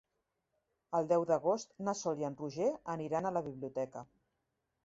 El deu d'agost na Sol i en Roger aniran a la biblioteca.